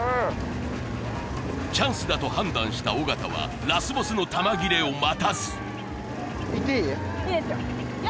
チャンスだと判断した尾形はラスボスの弾切れを待たずいいですよ